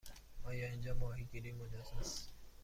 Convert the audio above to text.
آیا اینجا ماهیگیری مجاز است؟